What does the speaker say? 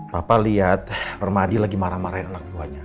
bapak lihat permadi lagi marah marahin anak buahnya